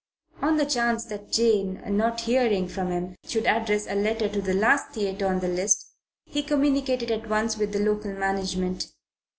On the chance that Jane, not hearing from him, should address a letter to the last theatre on the list, he communicated at once with the local management.